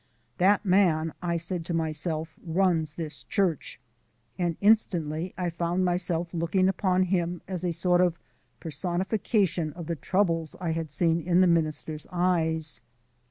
"That man," said I to myself, "runs this church," and instantly I found myself looking upon him as a sort of personification of the troubles I had seen in the minister's eyes.